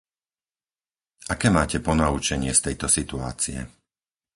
Aké máte ponaučenie z tejto situácie?